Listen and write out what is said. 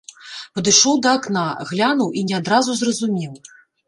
Падышоў да акна, глянуў і не адразу зразумеў.